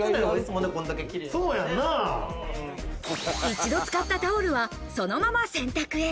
一度使ったタオルはそのまま洗濯へ。